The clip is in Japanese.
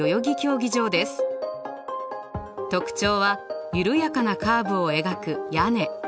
特徴は緩やかなカーブを描く屋根。